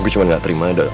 gue cuman gak terima ada